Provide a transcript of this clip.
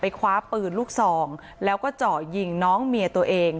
คว้าปืนลูกซองแล้วก็เจาะยิงน้องเมียตัวเอง